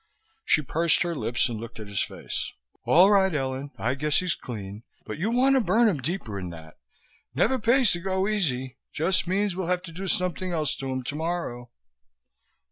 She pursed her lips and looked at his face. "All right, Ellen, I guess he's clean. But you want to burn 'em deeper'n that. Never pays to go easy, just means we'll have to do something else to 'im tomorrow."